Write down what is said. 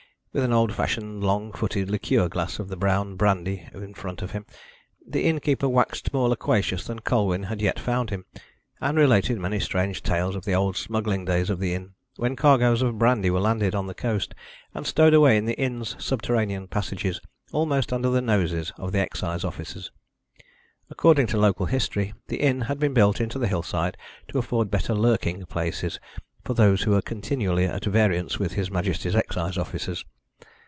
With an old fashioned long footed liqueur glass of the brown brandy in front of him, the innkeeper waxed more loquacious than Colwyn had yet found him, and related many strange tales of the old smuggling days of the inn, when cargoes of brandy were landed on the coast, and stowed away in the inn's subterranean passages almost under the noses of the excise officers. According to local history, the inn had been built into the hillside to afford better lurking places, for those who were continually at variance with His Majesty's excise officers.